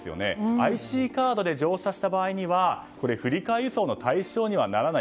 ＩＣカードで乗車した場合には振り替え輸送の対象にはならない。